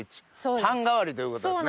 パン代わりということですね？